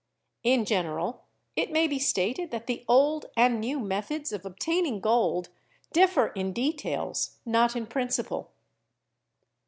In general it may be stated that the old and new methods of obtaining gold differ in details not in principle.